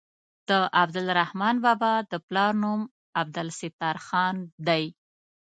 د عبدالرحمان بابا د پلار نوم عبدالستار خان دی.